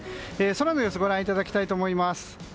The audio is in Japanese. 空の様子ご覧いただきたいと思います。